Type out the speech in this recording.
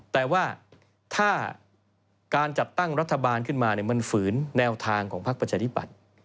แต่ว่าถ้าการจัดตั้งรัฐบาลขึ้นมามันฝืนแนวทางของพักประชาธิปัตย์